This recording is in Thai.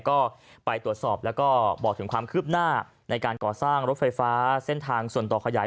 ก็ไปตรวจสอบแล้วก็บอกถึงความคืบหน้าในการก่อสร้างรถไฟฟ้าเส้นทางส่วนต่อขยาย